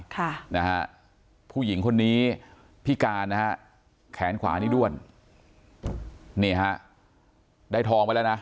ค่ะนะฮะผู้หญิงคนนี้พิการนะฮะแขนขวานี่ด้วนนี่ฮะได้ทองไปแล้วนะ